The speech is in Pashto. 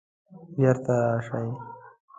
بیرته راشئ